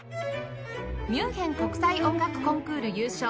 ミュンヘン国際音楽コンクール優勝